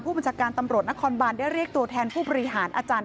บัญชาการตำรวจนครบานได้เรียกตัวแทนผู้บริหารอาจารย์